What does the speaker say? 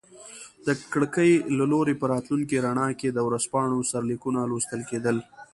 د کړکۍ له لوري په راتلونکي رڼا کې د ورځپاڼو سرلیکونه لوستل کیدل.